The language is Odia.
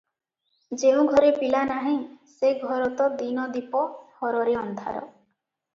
ଯେଉଁ ଘରେ ପିଲା ନାହିଁ, ସେ ଘର ତ ଦିନ ଦିପ ହରରେ ଅନ୍ଧାର ।